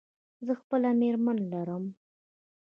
زه خپله مېرمن لرم.